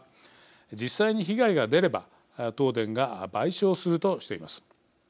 実際に被害が出れば東電が賠償するとしています。